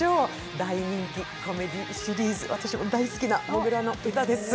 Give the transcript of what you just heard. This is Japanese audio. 大人気コメディーシリーズ、私も大好きな「土竜の唄」です。